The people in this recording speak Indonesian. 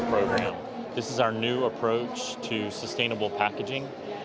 ini adalah penyelesaian baru kita untuk pengumpulan yang berkualitas